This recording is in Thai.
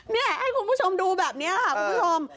นี่ให้คุณผู้ชมดูแบบนี้ค่ะคุณผู้ชม